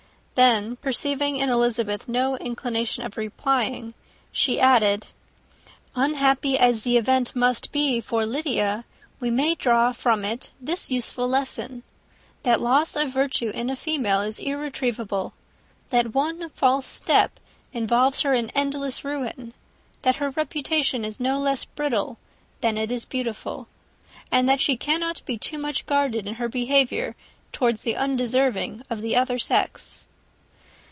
Then perceiving in Elizabeth no inclination of replying, she added, "Unhappy as the event must be for Lydia, we may draw from it this useful lesson: that loss of virtue in a female is irretrievable, that one false step involves her in endless ruin, that her reputation is no less brittle than it is beautiful, and that she cannot be too much guarded in her behaviour towards the undeserving of the other sex."